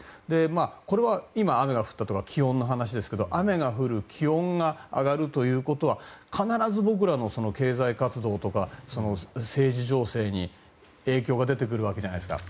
これは今、雨が降ったとか気温の話ですが雨が降る気温が上がるということは必ず僕らの経済活動とか政治情勢に影響が出てくるわけじゃないですか。